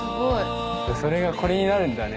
それがこれになるんだね。